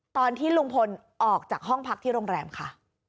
ตอนที่ลุงพลออกจากห้องพักที่โรงแรมค่ะ